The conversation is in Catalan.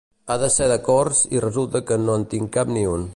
Ha de ser de cors i resulta que no en tinc cap ni un.